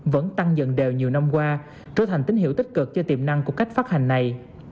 vẫn tăng dần đều nhiều năm qua trở thành tín hiệu tích cực cho tiềm năng của cách phát hành này